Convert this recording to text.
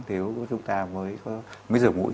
thì chúng ta mới rửa mũi